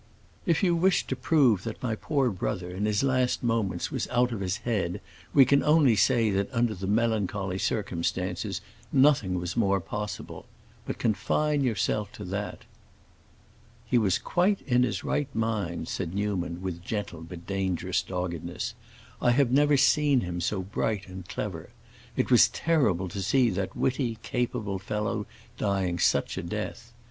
"If you wish to prove that my poor brother, in his last moments, was out of his head, we can only say that under the melancholy circumstances nothing was more possible. But confine yourself to that." "He was quite in his right mind," said Newman, with gentle but dangerous doggedness; "I have never seen him so bright and clever. It was terrible to see that witty, capable fellow dying such a death.